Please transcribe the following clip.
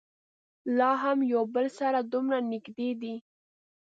لا هم یو بل سره دومره نږدې دي.